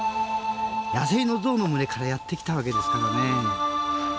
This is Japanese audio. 野生の象の群れからやってきたわけですからね。